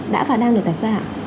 đã và đang được đặt ra ạ